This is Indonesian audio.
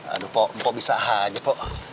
aduh poh mpok bisa aja poh